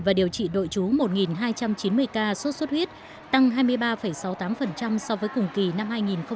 và điều trị đội trú một hai trăm chín mươi ca sốt xuất huyết tăng hai mươi ba sáu mươi tám so với cùng kỳ năm hai nghìn một mươi tám